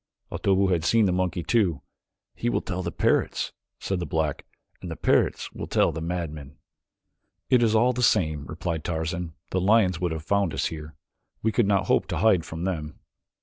Otobu had seen the monkey too. "He will tell the parrots," said the black, "and the parrots will tell the madmen." "It is all the same," replied Tarzan; "the lions would have found us here. We could not hope to hide from them."